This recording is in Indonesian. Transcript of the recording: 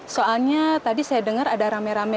soalnya tadi saya dengar ada rame rame